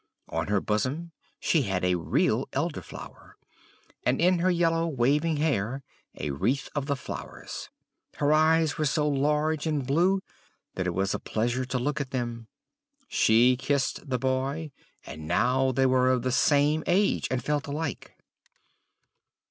On her bosom she had a real Elderflower, and in her yellow waving hair a wreath of the flowers; her eyes were so large and blue that it was a pleasure to look at them; she kissed the boy, and now they were of the same age and felt alike.